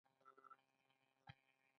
آیا پښتو یوه لرغونې ژبه نه ده؟